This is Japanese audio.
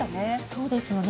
そうですよね